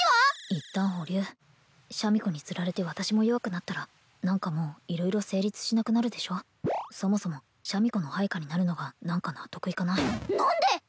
いったん保留シャミ子につられて私も弱くなったら何かもう色々成立しなくなるでしょそもそもシャミ子の配下になるのが何か納得いかない何で！？